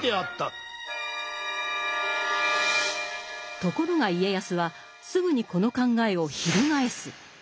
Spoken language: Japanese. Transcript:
ところが家康はすぐにこの考えを翻す。